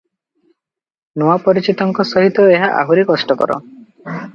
ନୂଆ ପରିଚିତଙ୍କ ସହିତ ଏହା ଆହୁରି କଷ୍ଟକର ।